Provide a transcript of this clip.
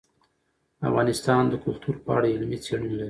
افغانستان د کلتور په اړه علمي څېړنې لري.